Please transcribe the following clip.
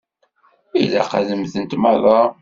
Ilaq ad mmtent merra.